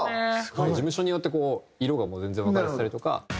事務所によってこう色が全然分かれてたりとか。